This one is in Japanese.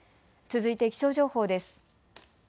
続いて気象情報です。